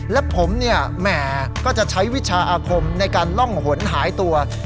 และผมเนี่ยแหมก็จะใช้วิชาอาคมในการล่องหนหายตัว